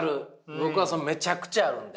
僕はめちゃくちゃあるんで。